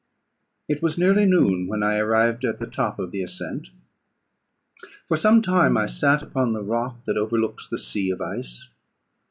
It was nearly noon when I arrived at the top of the ascent. For some time I sat upon the rock that overlooks the sea of ice.